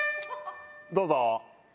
どうぞ。